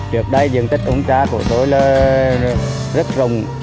tiếp đây diện tích ống trà của tôi là rất rùng